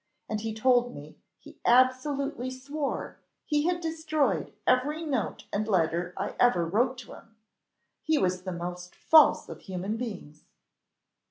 And he told me, he absolutely swore, he had destroyed every note and letter I ever wrote to him. He was the most false of human beings!"